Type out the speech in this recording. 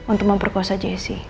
untuk memperkosa jessy